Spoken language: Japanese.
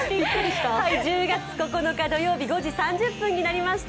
１０月９日土曜日５時３０分となりました